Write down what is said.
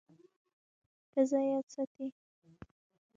پزه یاد ساتي.